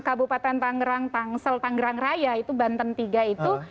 kabupaten tangerang tangsel tangerang raya itu banten tiga itu